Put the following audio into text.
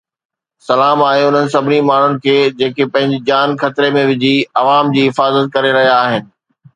سلام آهي انهن سڀني ماڻهن کي جيڪي پنهنجي جان خطري ۾ وجهي عوام جي حفاظت ڪري رهيا آهن.